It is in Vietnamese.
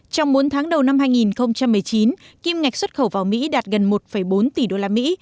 trong bốn tháng đầu năm hai nghìn một mươi chín kim ngạch xuất khẩu vào mỹ đạt gần một bốn tỷ đô la mỹ